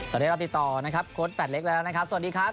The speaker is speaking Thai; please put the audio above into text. ตอนนี้เราติดต่อนะครับโค้ดแปดเล็กแล้วนะครับสวัสดีครับ